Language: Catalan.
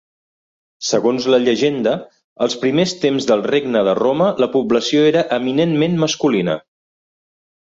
Segons la llegenda, als primers temps del Regne de Roma la població era eminentment masculina.